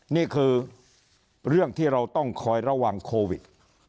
นี่คือเรื่องที่เราต้องคอยระวังโควิด